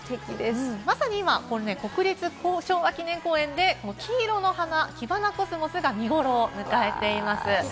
まさに今、国営昭和記念公園でキバナコスモスが見頃を迎えているんです。